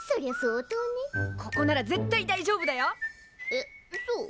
えっそう？